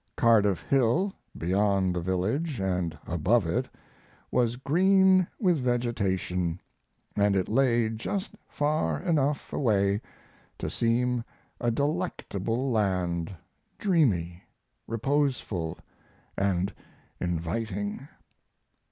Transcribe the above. Cardiff Hill, beyond the village and above it, was green with vegetation, and it lay just far enough away to seem a delectable land, dreamy, reposeful, and inviting.